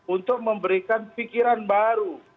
untuk memberikan pikiran baru